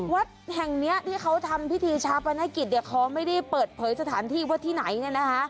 วัดแห่งนี้ที่เขาทำพิธีชาปนกิจมันไม่ได้เปิดเผยสถานที่ว่าที่ไหน